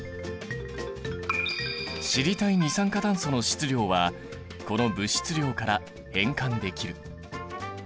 知りたい二酸化炭素の質量はこの物質量から変換できる。